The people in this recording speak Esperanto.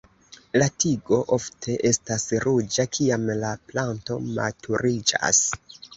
La tigo ofte estas ruĝa kiam la planto maturiĝas.